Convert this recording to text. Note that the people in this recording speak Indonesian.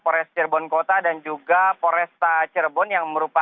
polres cirebon kota dan juga polresta cirebon yang merupakan